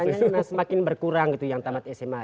tapi kenyataannya semakin berkurang gitu yang tamat sma